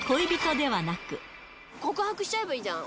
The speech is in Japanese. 告白しちゃえばいいじゃん。